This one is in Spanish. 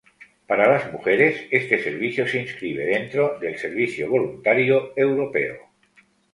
Para las mujeres, este servicio se inscribe dentro del Servicio Voluntario Europeo.